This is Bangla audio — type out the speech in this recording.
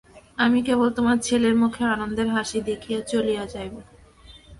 আমি কেবল তোমার ছেলের মুখে আনন্দের হাসি দেখিয়া চলিয়া যাইব।